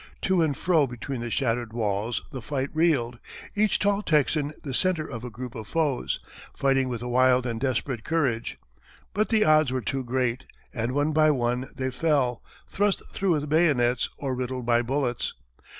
To and fro between the shattered walls the fight reeled, each tall Texan the centre of a group of foes, fighting with a wild and desperate courage; but the odds were too great, and one by one they fell, thrust through with bayonets or riddled by bullets.